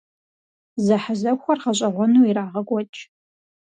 Зэхьэзэхуэр гъэщӀэгъуэну ирагъэкӀуэкӀ.